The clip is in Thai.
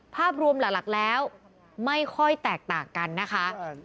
ภาพรวมหลักแล้วไม่ค่อยแตกต่างกันนะคะ